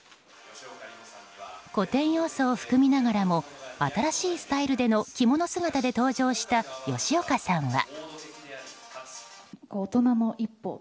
古典要素を含みながらも新しいスタイルでの着物姿で登場した、吉岡さんは。